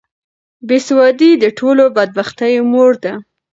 بې سوادي د ټولو بدبختیو مور ده.